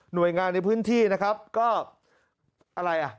โดยงานในพื้นที่นะครับก็อะไรอ่ะ